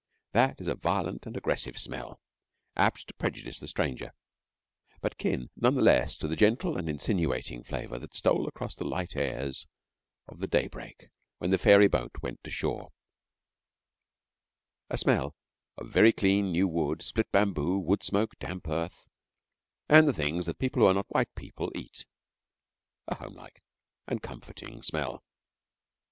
That is a violent, and aggressive smell, apt to prejudice the stranger, but kin none the less to the gentle and insinuating flavour that stole across the light airs of the daybreak when the fairy boat went to shore a smell of very clean new wood; split bamboo, wood smoke, damp earth, and the things that people who are not white people eat a homelike and comforting smell.